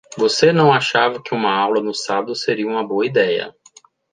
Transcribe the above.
Você não achava que uma aula no sábado seria uma boa ideia.